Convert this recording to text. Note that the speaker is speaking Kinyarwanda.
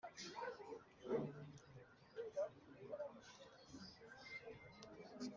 Imuha inshingano ku mwanya wa district council